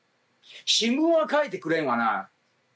新聞は書いてくれんわな。